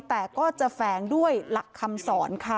แต่ก็จะแฝงด้วยหลักคำสอนค่ะ